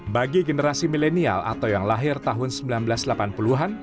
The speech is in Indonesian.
bagi generasi milenial atau yang lahir tahun seribu sembilan ratus delapan puluh an